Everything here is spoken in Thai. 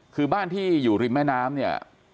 คือบ้านที่อยู่ริมแม่น้ำเนี่ย